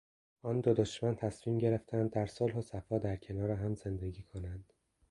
آن دو دشمن تصمیم گرفتند در صلح و صفا در کنار هم زندگی کنند.